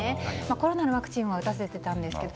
コロナのワクチンは打たせていたんですけど。